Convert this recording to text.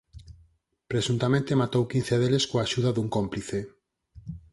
Presuntamente matou quince deles coa axuda dun cómplice.